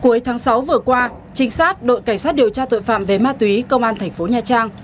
cuối tháng sáu vừa qua trinh sát đội cảnh sát điều tra tội phạm về ma túy công an thành phố nha trang